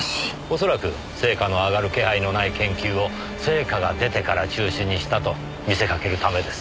恐らく成果の上がる気配のない研究を成果が出てから中止にしたと見せかけるためです。